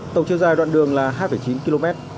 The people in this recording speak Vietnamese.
tổng chiều dài đoạn đường là hai chín km